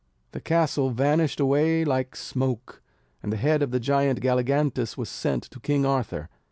The castle vanished away like smoke and the head of the giant Galligantus was sent to King Arthur.